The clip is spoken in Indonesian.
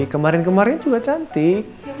kemarin kemarin juga cantik